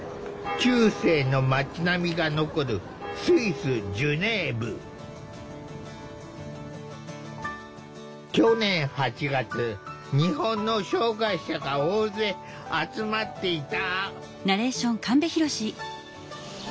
中世の町並みが残る去年８月日本の障害者が大勢集まっていた。